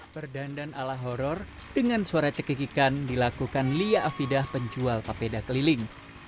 perdandan ala horror dengan suara cekikikan dilakukan lia afidah penjual papeda keliling